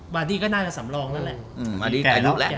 วาดี้ก็น่าจะสำรองแล้วแหละ